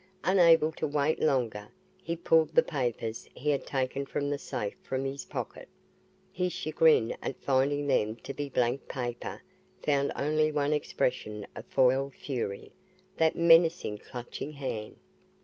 Unable to wait longer he pulled the papers he had taken from the safe from his pocket. His chagrin at finding them to be blank paper found only one expression of foiled fury that menacing clutching hand!